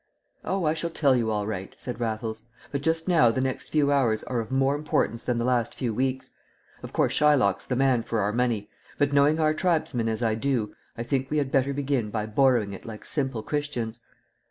"Oh, I shall tell you all right," said Raffles. "But just now the next few hours are of more importance than the last few weeks. Of course Shylock's the man for our money; but knowing our tribesmen as I do, I think we had better begin by borrowing it like simple Christians."